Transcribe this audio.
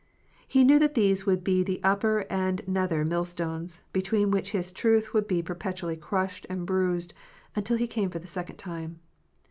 He knew that these would be the upper and nether mill stones, between which His truth would be per petually crushed and bruised until He came the second time.